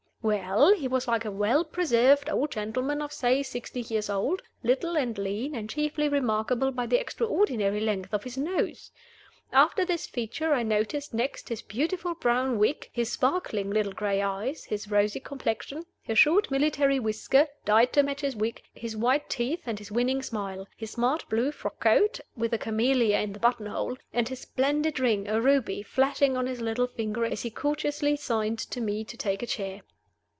Well, he was like a well preserved old gentleman of, say, sixty years old, little and lean, and chiefly remarkable by the extraordinary length of his nose. After this feature, I noticed next his beautiful brown wig; his sparkling little gray eyes; his rosy complexion; his short military whisker, dyed to match his wig; his white teeth and his winning smile; his smart blue frock coat, with a camellia in the button hole; and his splendid ring, a ruby, flashing on his little finger as he courteously signed to me to take a chair.